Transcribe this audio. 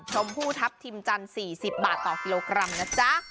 ชมพู่ทัพทิมจันทร์๔๐บาทต่อกิโลกรัมนะจ๊ะ